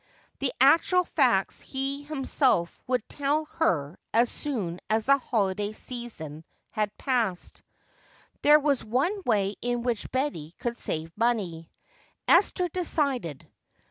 The actual facts he himself would tell her as soon as the holiday season had passed. There was one way in which Betty could save money, Esther decided.